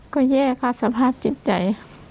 ก็แย่ค่ะสภาพจิตใจ